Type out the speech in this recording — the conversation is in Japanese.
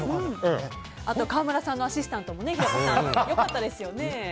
あと川村さんのアシスタントも平子さん良かったですよね。